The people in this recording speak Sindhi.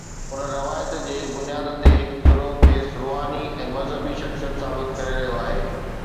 ان روايت جي بنياد تي هڪ گروهه کيس روحاني ۽ مذهبي شخصيت ثابت ڪري رهيو آهي.